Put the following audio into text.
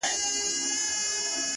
هغه د سر پر زنگانه و فلسفې ته ژاړي;